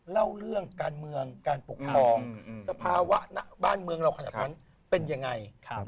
เล่าเรื่องการเมืองการปกครองสภาวะณบ้านเมืองเราขนาดนั้นเป็นยังไง